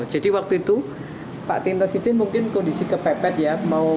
jadi waktu itu pak tino sidin mungkin kondisi kepepet ya